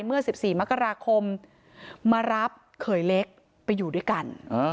เมื่อ๑๔มกราคมมารับเขยเล็กไปอยู่ด้วยกัน